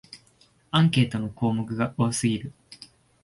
アンケートの項目が多すぎる